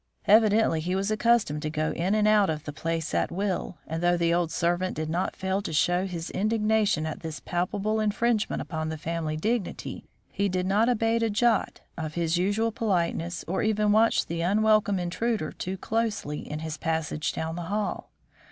Evidently he was accustomed to go in and out of the place at will, and though the old servant did not fail to show his indignation at this palpable infringement upon the family dignity, he did not abate a jot of his usual politeness or even watch the unwelcome intruder too closely in his passage down the hall.